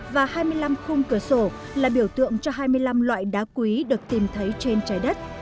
và hai mươi năm khung cửa sổ là biểu tượng cho hai mươi năm loại đá quý được tìm thấy trên trái đất